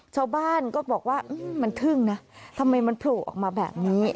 ชาวบ้านก็บอกว่ามันทึ่งนะทำไมมันโผล่ออกมาแบบนี้